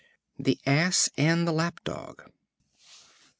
The Ass and the Lap Dog.